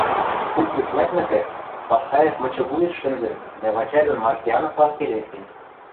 Куп гӹц лӓкмӹкӹ, Пактаев мычывуйыш шӹнзӹн дӓ Вачай дон Марсиановлан келесен: